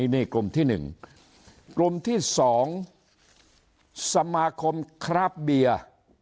นี่กลุ่มที่๑กลุ่มที่๒สมาคมคราบเบียร์